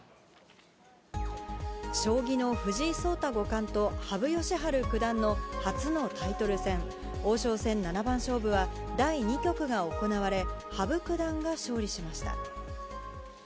将棋の藤井聡太五冠と羽生善治九段の初のタイトル戦、王将戦七番勝負は第２局が行われ、羽生九段が勝利しました。